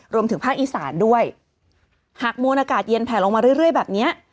รวมถึงภาคอีสานด้วยหากมวลอากาศเย็นแผลลงมาเรื่อยเรื่อยแบบเนี้ย